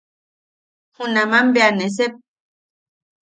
Junaman bea ne sep.